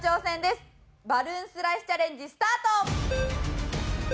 バルーンスライスチャレンジスタート！